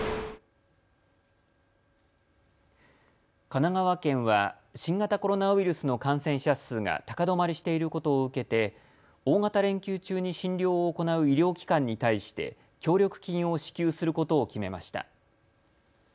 神奈川県は新型コロナウイルスの感染者数が高止まりしていることを受けて大型連休中に診療を行う医療機関に対して協力金を支給することを決めました。